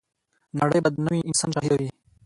نړۍ به د نوي انسان شاهده وي.